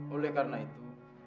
oleh karena itu